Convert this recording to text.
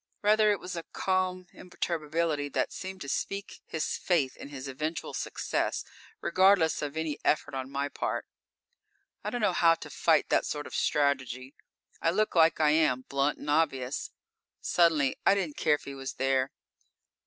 Rather, it was a calm imperturbability that seemed to speak his faith in his eventual success, regardless of any effort on my part. I don't know how to fight that sort of strategy. I look like I am: blunt and obvious. Suddenly I didn't care if he was there.